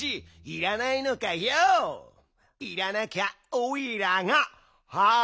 いらなきゃおいらがあむ。